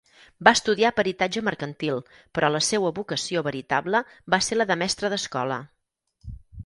Va estudiar peritatge mercantil però la seua vocació veritable va ser la de mestre d'escola.